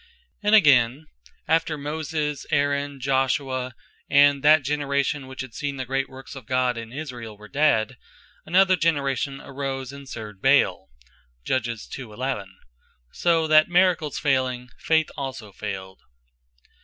And again, after Moses, Aaron, Joshua, and that generation which had seen the great works of God in Israel, (Judges 2 11) were dead; another generation arose, and served Baal. So that Miracles fayling, Faith also failed.